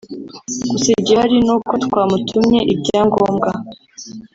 gusa igihari ni uko twamutumye ibyangombwa